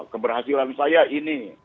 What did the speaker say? keberhasilan saya ini